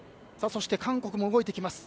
そして韓国も動いてきます。